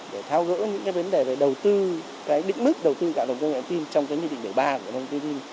để tháo gỡ những vấn đề về đầu tư định mức đầu tư cạm thống công nghệ tin trong cái nhiệm định đều ba của hội công an